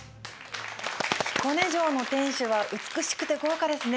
彦根城の天守は美しくて豪華ですね。